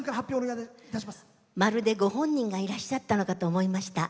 まるでご本人がいらっしゃったのかと思いました。